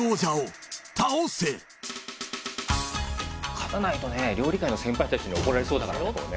勝たないとね料理界の先輩たちに怒られそうだから。